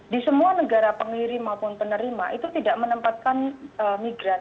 di semua negara pengirim maupun penerima itu tidak menempatkan migran